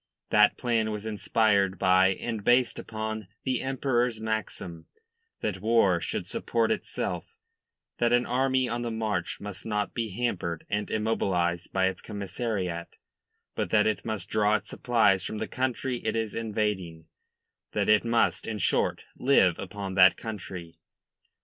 That plan was inspired by and based upon the Emperor's maxim that war should support itself; that an army on the march must not be hampered and immobilised by its commissariat, but that it must draw its supplies from the country it is invading; that it must, in short, live upon that country.